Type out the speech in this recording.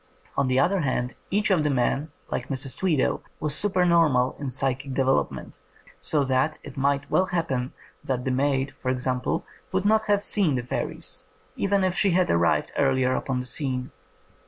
On the other hand, each of the men, like Mrs. Tweedale, was supernormal in psychic de velopment, so that it might well happen that the maid, for example, would not have seen the fairies, even if she had arrived earlier upon the scene.